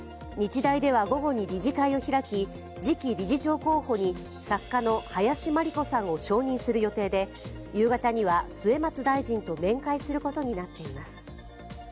日大では午後に理事会を開き、次期理事長候補に作家の林真理子さんを承認する予定で夕方には、末松大臣と面会することになっています。